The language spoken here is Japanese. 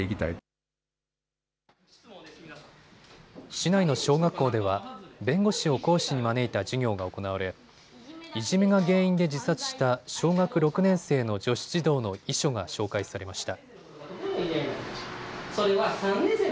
市内の小学校では弁護士を講師に招いた授業が行われいじめが原因で自殺した小学６年生の女子児童の遺書が紹介されました。